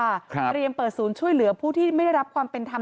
เตรียมเปิดศูนย์ช่วยเหลือผู้ที่ไม่ได้รับความเป็นธรรม